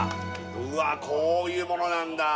うわっこういうものなんだ